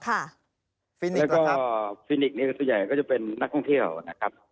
แล้วก็คลินิกนี้ส่วนใหญ่ก็จะเป็นนักท่องเที่ยวนะครับ